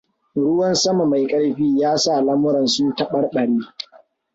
Ruwan sama mai karfi, ya sa lamuran su tabarbare.